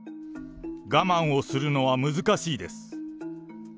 我慢をするのは難しいです。